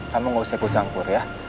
kamu gak usah ikut campur ya